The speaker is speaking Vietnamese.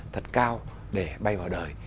thật cao để bay vào đời